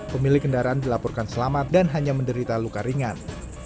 pemilik kendaraan dilaporkan selamat dan hanya menderita luka ringan